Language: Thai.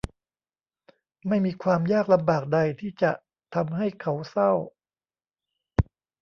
ไม่มีความยากลำบากใดที่จะทำให้เขาเศร้า